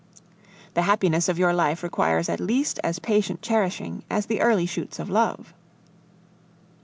The happiness of your life requires at least as patient cherishing as the early shoots of love.